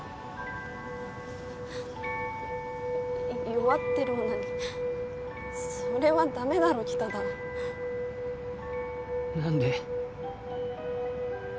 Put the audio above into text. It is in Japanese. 弱ってる女にそれはダメだろ北田何で？